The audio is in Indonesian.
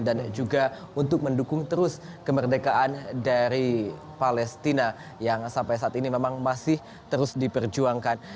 dan juga untuk mendukung terus kemerdekaan dari palestina yang sampai saat ini memang masih terus diperjuangkan